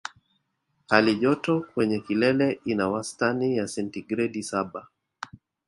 Hali joto kwenye kilele ina wastani ya sentigredi saba